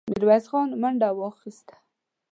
ميرويس خان منډه واخيسته.